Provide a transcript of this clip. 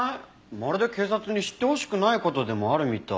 まるで警察に知ってほしくない事でもあるみたい。